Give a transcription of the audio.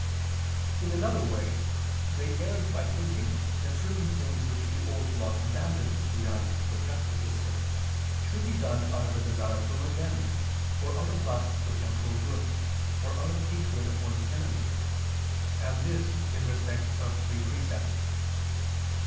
In another way they erred by thinking that certain things which the Old Law commanded to be done for justice's sake, should be done out of desire for revenge, or out of lust for temporal goods, or out of hatred of one's enemies; and this in respect of three precepts.